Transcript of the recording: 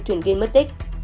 thuyền viên mất tích